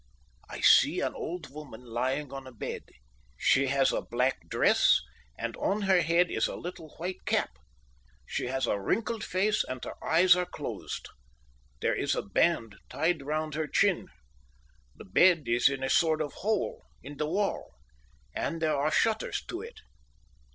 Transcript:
"'I see an old woman lying on a bed. She has a black dress, and on her head is a little white cap. She has a wrinkled face and her eyes are closed. There is a band tied round her chin. The bed is in a sort of hole, in the wall, and there are shutters to it.